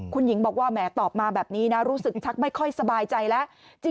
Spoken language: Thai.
คุณหญิงบอกว่าแหมตอบมาแบบนี้นะรู้สึกชักไม่ค่อยสบายใจแล้ว